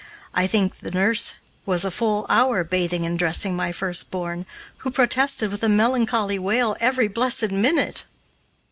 I think the nurse was a full hour bathing and dressing my firstborn, who protested with a melancholy wail every blessed minute.